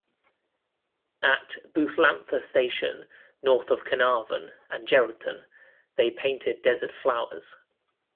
At Boolantha Station, north of Carnarvon, and Geraldton, they painted desert flowers.